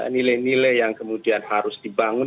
nilai nilai yang kemudian harus dibangun